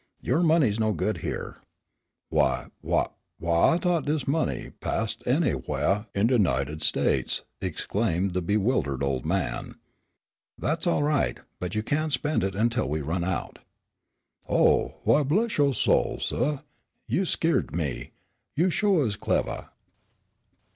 "Your money's no good up here." "Wh wh why, I thought dis money passed any whah in de Nunited States!" exclaimed the bewildered old man. "That's all right, but you can't spend it until we run out." "Oh! Why, bless yo' soul, suh, you skeered me. You sho' is clevah."